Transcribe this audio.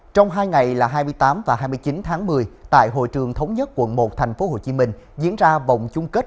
trong hai ngày là hai mươi tám và hai mươi chín tháng một mươi tại hội trường thống nhất quận một tp hcm diễn ra vòng chung kết